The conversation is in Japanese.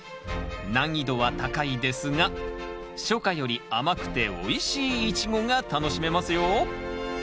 難易度は高いですが初夏より甘くておいしいイチゴが楽しめますよ